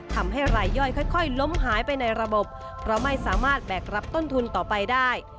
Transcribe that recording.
ทำให้รายย่อยค่อยล้มหายไปในระบบเพราะไม่สามารถแบกรับต้นทุนต่อไปได้